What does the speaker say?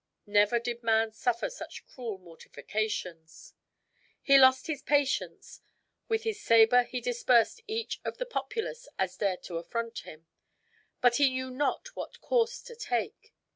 Never did man suffer such cruel mortifications. He lost his patience; with his saber he dispersed such of the populace as dared to affront him; but he knew not what course to take.